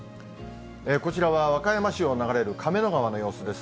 こちらは和歌山市を流れる亀の川の様子です。